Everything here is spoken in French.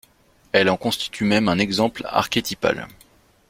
Elle en constitue même un exemple archétypal.